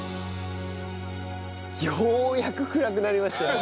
ようやく暗くなりましたよ。